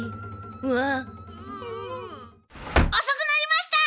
おそくなりました！